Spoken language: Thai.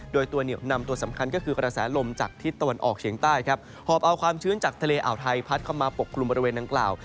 โดยตัวเหนียวนำตัวสำคัญก็คือกระแสลมจากทิศตะวันออกเฉียงใต้ครับหอบเอาความชื้นจากทะเลอ่าวไทยพัดเข้ามาปกกลุ่มบริเวณดังกล่าว